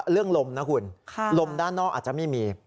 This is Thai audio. ลมนะคุณลมด้านนอกอาจจะไม่มี